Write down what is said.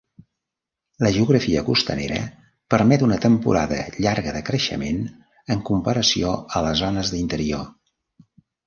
La geografia costanera permet una temporada llarga de creixement en comparació a les zones d'interior.